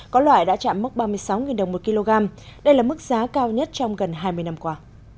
có loại đã chạm mốc ba mươi sáu đồng một kg đây là mức giá cao nhất trong gần hai mươi năm qua